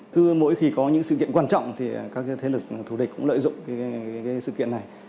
cứ mỗi khi có những sự kiện quan trọng thì các thế lực thù địch cũng lợi dụng sự kiện này